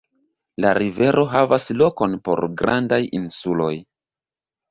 La rivero havas lokon por grandaj insuloj.